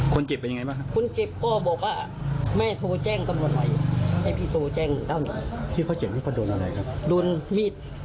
คนเจ็บอันยังไงบ้างครับ